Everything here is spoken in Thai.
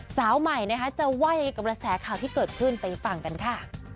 สาวใหม่จะไหว้กับระแสข่าวที่เกิดขึ้นไปฟังกันค่ะ